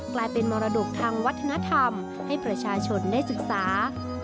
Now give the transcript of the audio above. กลายเป็นมรดกทางวัฒนธรรมให้ประชาชนได้ศึกษา